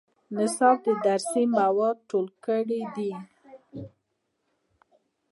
نصاب د درسي موادو ټولګه ده